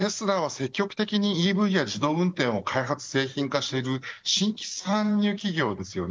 テスラは積極的にＥＶや自動運転を開発製品化している新規参入企業ですよね。